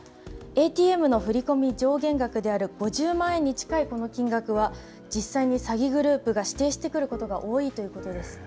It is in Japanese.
ＡＴＭの振り込み上限額である５０万円に近いこの金額は実際に詐欺グループが指定してくることが多いということです。